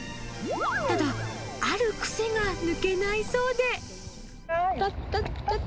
ただ、ある癖が抜けないそうで。